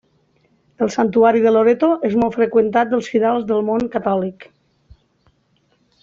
El santuari de Loreto és molt freqüentat dels fidels del món catòlic.